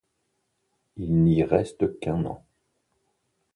Il n'y reste qu'un an.